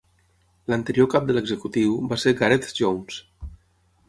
L'anterior Cap de l'executiu va ser Gareth Jones.